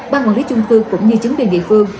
ban quản lý chung thư cũng như chứng đề địa phương